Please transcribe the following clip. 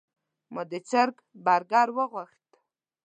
ما د چرګ برګر وغوښت.